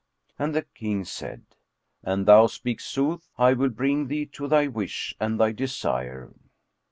And the King said, "An thou speak sooth, I will bring thee to thy wish and thy desire."